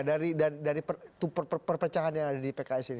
dari perpecahan yang ada di pks ini